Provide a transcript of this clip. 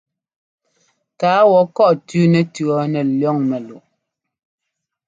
Tǎa wa kɔ̂ʼ tʉ́ nɛtʉ̈ nɛ liɔŋ mɛ́luʼ.